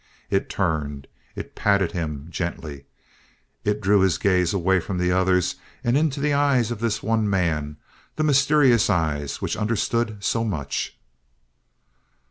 It turned. It patted him gently. It drew his gaze away from the others and into the eyes of this one man, the mysterious eyes which understood so much.